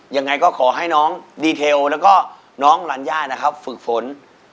ยังไงก็ขอให้น้องดีเทลแล้วก็น้องลัญญานะครับฝึกฝน